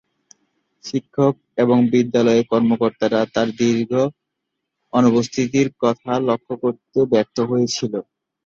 শিক্ষক এবং বিদ্যালয়ের কর্মকর্তারা তার দীর্ঘ অনুপস্থিতির কথা লক্ষ্য করতে ব্যর্থ হয়েছিল।